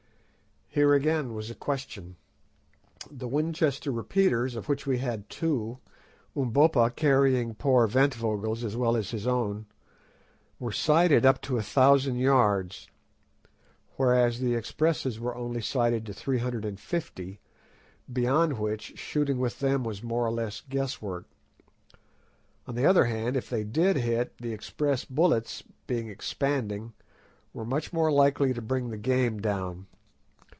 Here again was a question. The Winchester repeaters—of which we had two, Umbopa carrying poor Ventvögel's as well as his own—were sighted up to a thousand yards, whereas the expresses were only sighted to three hundred and fifty, beyond which distance shooting with them was more or less guess work. On the other hand, if they did hit, the express bullets, being "expanding," were much more likely to bring the game down.